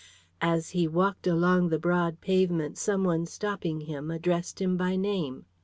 As he walked along the broad pavement some one stopping him, addressed him by name.